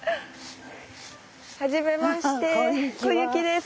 初めまして小雪です。